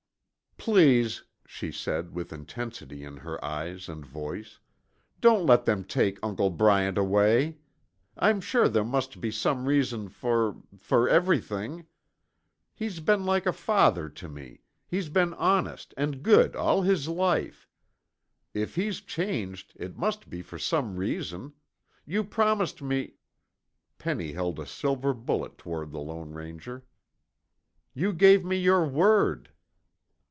"Please," she said with intensity in her eyes and voice, "don't let them take Uncle Bryant away. I'm sure there must be some reason for for everything. He's been like a father to me, he's been honest and good all his life. If he's changed it must be for some reason. You promised me " Penny held a silver bullet toward the Lone Ranger. "You gave me your word!"